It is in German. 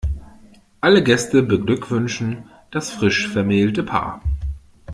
Alle Gäste beglückwünschen das frisch vermählte Paar.